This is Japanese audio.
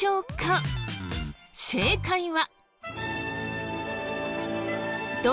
正解は。